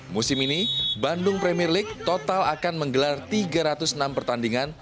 musim ini bandung premier league total akan menggelar tiga ratus enam pertandingan